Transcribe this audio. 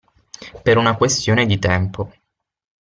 Per una questione di tempo.